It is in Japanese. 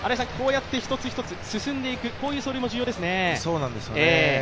一つ一つ進んでいく、こういう走塁も重要ですね。